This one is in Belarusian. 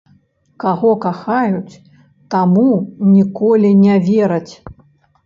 Каго кахаюць, таму ніколі не вераць.